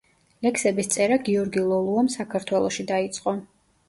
ლექსების წერა გიორგი ლოლუამ საქართველოში დაიწყო.